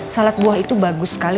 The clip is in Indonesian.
salad buah itu bagus sekali